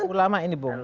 ulama ini bung